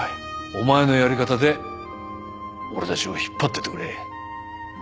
お前のやり方で俺たちを引っ張ってってくれ。